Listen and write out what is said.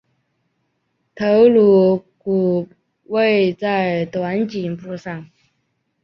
头颅骨位在短颈部上。